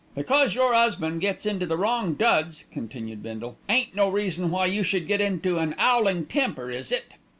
"Because your 'usband gets into the wrong duds," continued Bindle, "ain't no reason why you should get into an 'owling temper, is it?"